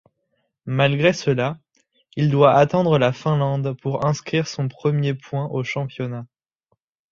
Malgré cela, il doit attendre la Finlande pour inscrire son premier point au championnat.